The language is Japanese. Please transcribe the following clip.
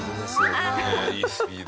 ねえいいスピード。